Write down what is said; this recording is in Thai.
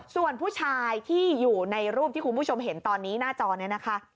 ส่วนผู้ชายที่อยู่ในรูปที่คุณผู้ชมเห็นตอนนี้หน้าจอนี้นะคะ